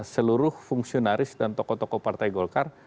seluruh fungsionaris dan tokoh tokoh partai golkar